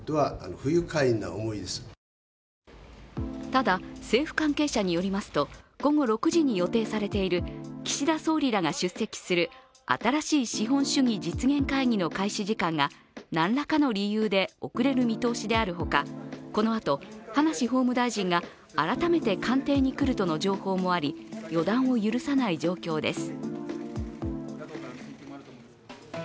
ただ、政府関係者によりますと午後６時に予定されている岸田総理らが出席する新しい資本主義実現会議の開始時間がなんらかの理由で遅れる見通しであるほかこのあと、葉梨法務大臣が改めて官邸に来るとの情報もあり予断を許さない状況です。